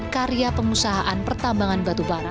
karya pengusahaan pertambangan batu bara